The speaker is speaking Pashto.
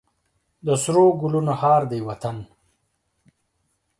د سرو ګلونو هار دی وطن.